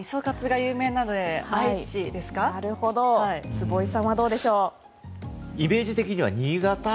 名古屋が坪井さんはどうでしょう。